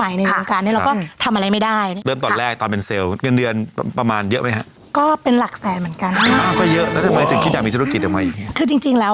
มีหลายธุรกิจแต่ว่าเจ๊งท์หมดแล้ว